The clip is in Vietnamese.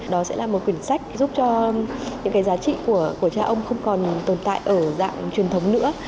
đó sẽ là một quyển sách giúp cho những cái giá trị của cha ông không còn tồn tại ở dạng truyền thống nữa